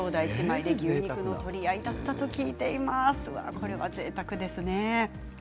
これはぜいたくですね。